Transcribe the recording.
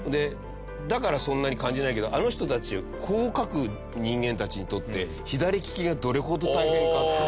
だからそんなに感じないけどあの人たちこう書く人間たちにとってああそっか。